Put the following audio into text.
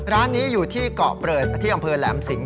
ร้านนี้อยู่ที่เกาะเปิดที่อำเภอแหลมสิงห